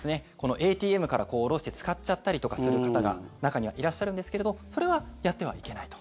ＡＴＭから下ろして使っちゃったりとかする方が中にはいらっしゃるんですけれどそれは、やってはいけないと。